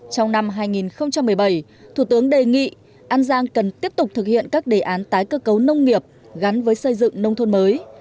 trong năm hai nghìn một mươi bảy thủ tướng đề nghị an giang cần tiếp tục thực hiện các đề án tái cơ cấu nông nghiệp gắn với xây dựng nông thôn mới